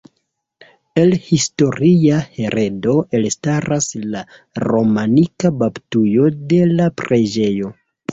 El historia heredo elstaras la romanika baptujo de la preĝejo.